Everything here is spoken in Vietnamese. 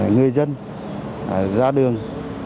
người dân ra đường